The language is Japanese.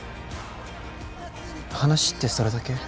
話ってそれだけ？